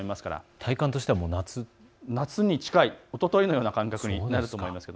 体感としては夏に近いおとといのような感覚になるかもしれません。